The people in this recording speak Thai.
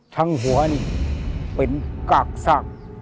ทั้งหัวนี่เป็นกากซาก